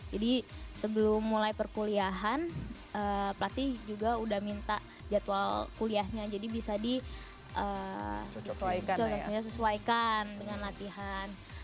jadi sebelum mulai perkuliahan pelatih juga udah minta jadwal kuliahnya jadi bisa dicocokkan sesuaikan dengan latihan